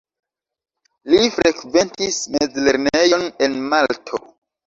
Li frekventis mezlernejon en Malto.